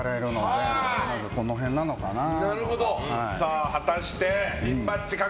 この辺なのかなと。